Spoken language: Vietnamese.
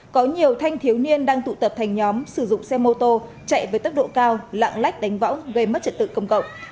có nhiều thanh thiếu niên đang tụ tập thành nhóm sử dụng xe mô tô chạy với tốc độ cao lạng lách đánh võng gây mất trật tự công cộng